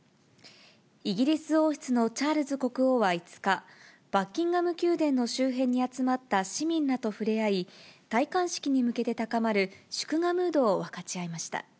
イギリス王室のチャールズ国王は５日、バッキンガム宮殿の周辺に集まった市民らと触れ合い、戴冠式に向けて高まる祝賀ムードを分かち合いました。